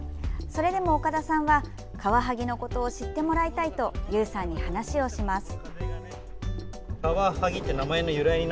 それでも岡田さんはカワハギのことを知ってもらいたいとゆうさんに話をします。